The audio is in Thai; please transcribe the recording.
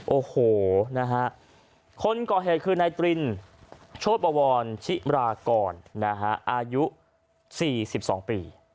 โอ้โหนะฮะคนก่อเหตุคือนายตรินโชธปวรชิรากรอายุ๔๒ปี